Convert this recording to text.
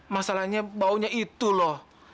masalahnya baunya itu loh